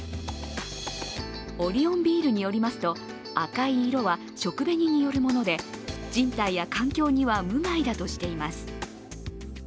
オリオンビールによりますと、赤い色は食紅によるもで、人体や環境には無害だとしています。